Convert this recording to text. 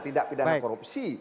tidak pidana korupsi